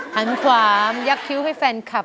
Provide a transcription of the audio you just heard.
หันขวามยักษ์คิ้วให้แฟนคลับ